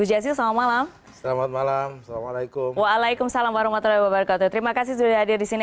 selamat malam terima kasih sudah di sini